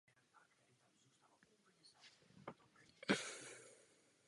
To má zásadní význam pro stabilitu Evropského kontinentu.